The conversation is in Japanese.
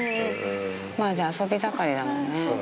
まぁじゃあ遊び盛りだもんね。